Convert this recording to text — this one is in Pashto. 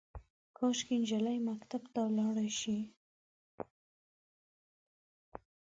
کاشکي، نجلۍ مکتب ته ولاړه شي